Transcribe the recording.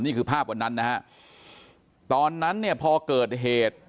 นี่คือภาพวันนั้นนะฮะตอนนั้นเนี่ยพอเกิดเหตุ